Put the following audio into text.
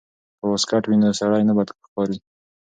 که واسکټ وي نو سړی نه بد ښکاریږي.